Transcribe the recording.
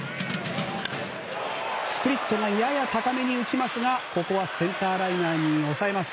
スプリットがやや高めに浮きますがここはセンターライナーに抑えます。